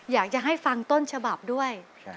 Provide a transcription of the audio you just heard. อยากจะให้ฟังต้นฉบับด้วย